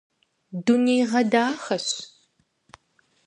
Дунейгъэдахэщ.